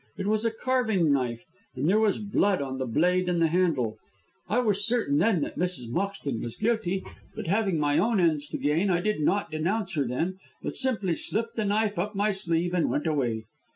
It was a carving knife, and there was blood on the blade and the handle. I was certain then that Mrs. Moxton was guilty, but having my own ends to gain I did not denounce her then, but simply slipped the knife up my sleeve and went away.